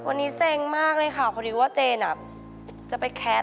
วันนี้เซ็งมากเลยค่ะพอดีว่าเจนจะไปแคส